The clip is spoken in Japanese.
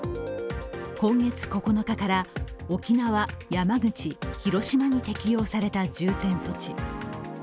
今月９日から沖縄、山口、広島に適用された重点措置。